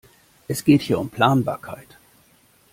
Es geht hier um Planbarkeit.